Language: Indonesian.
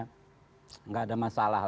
tidak ada masalah